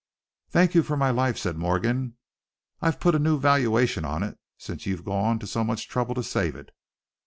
"Thank you for my life," said Morgan. "I've put a new valuation on it since you've gone to so much trouble to save it."